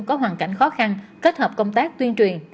có hoàn cảnh khó khăn kết hợp công tác tuyên truyền